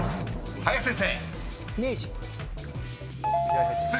［林先生］